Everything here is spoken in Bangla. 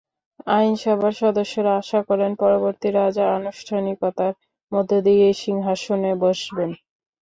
আইনসভার সদস্যরা আশা করেন, পরবর্তী রাজা আনুষ্ঠানিকতার মধ্য দিয়েই সিংহাসনে বসবেন।